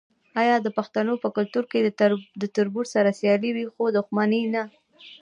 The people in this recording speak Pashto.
آیا د پښتنو په کلتور کې د تربور سره سیالي وي خو دښمني نه؟